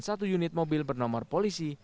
satu unit mobil bernomor polisi